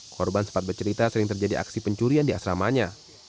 korban sempat bercerita sering terjadi aksi pencurian di asramanya